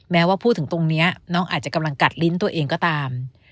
แม้ว่าพูดถึงตรงนี้น้องอาจจะกำลังกัดลิ้นตัวเองก็ตาม